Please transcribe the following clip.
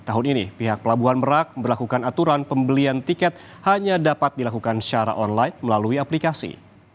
tahun ini pihak pelabuhan merak berlakukan aturan pembelian tiket hanya dapat dilakukan secara online melalui aplikasi